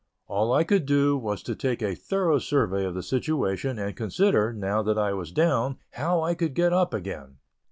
All I could do was to take a thorough survey of the situation, and consider, now that I was down, how I could get up again.